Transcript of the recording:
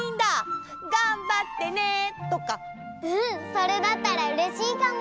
それだったらうれしいかも！